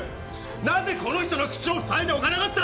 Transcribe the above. なぜこの人の口をふさいでおかなかった？